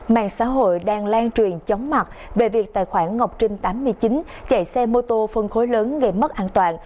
mạng xã hội đang lan truyền chóng mặt về việc tài khoản ngọc trinh tám mươi chín chạy xe mô tô phân khối lớn gây mất an toàn